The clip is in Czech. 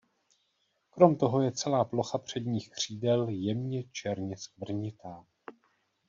Krom toho je celá plocha předních křídel jemně černě skvrnitá.